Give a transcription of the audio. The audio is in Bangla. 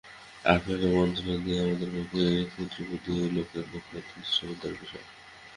আপনাকে মন্ত্রণা দেওয়া আমাদের মতো ক্ষুদ্রবুদ্ধি লোকের পক্ষে অত্যন্ত স্পর্ধার বিষয়।